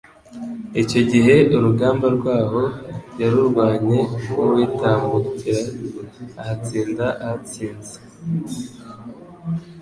Icyogihe urugamba rwaho yarurwanye nk'uwitambukira ahatsinda ahatsinze,